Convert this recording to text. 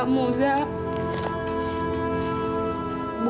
aku mau mencoba